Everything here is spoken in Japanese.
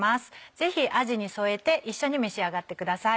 ぜひあじに添えて一緒に召し上がってください。